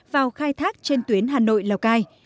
vào khai thác trên tuyến hà nội lào cai